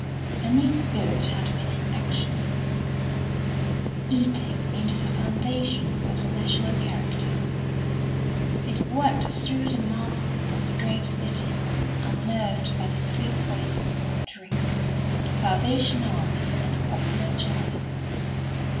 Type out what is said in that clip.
A new spirit had been in action, eating into the foundations of the national character; it worked through the masses of the great cities, unnerved by the three poisons of drink, the Salvation Army, and popular journalism.